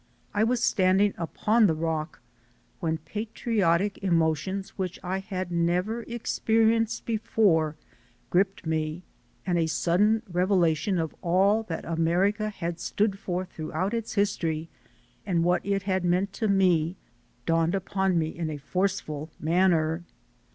I was standing upon the Rock when patriotic emo tions which I had never experienced before gripped me and a sudden revelation of all that America had stood for throughout its history and what it had HOME! 301 meant to me, dawned upon me in a forceful manner.